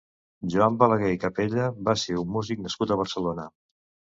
Juan Balaguer i Capella va ser un músic nascut a Barcelona.